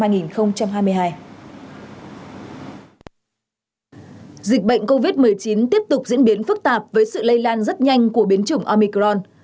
dịch bệnh covid một mươi chín tiếp tục diễn biến phức tạp với sự lây lan rất nhanh của biến chủng omicron